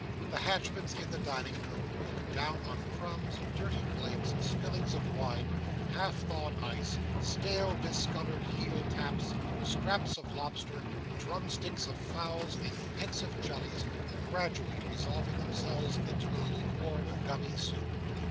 The hatchments in the dining room look down on crumbs, dirty plates, spillings of wine, half thawed ice, stale discoloured heel taps, scraps of lobster, drumsticks of fowls, and pensive jellies, gradually resolving themselves into a lukewarm gummy soup.